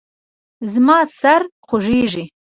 زما سر خوږیږي